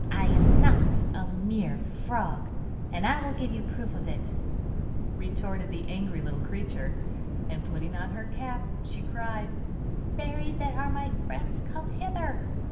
'I am not a "mere frog," and I will give you proof of it,' retorted the angry little creature. And putting on her cap, she cried: Fairies that are my friends, come hither!